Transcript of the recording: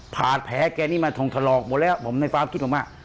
ผ่านแผลแกนี่มาทงถลอกหมดแล้วผมในฟาร์มคิดมาก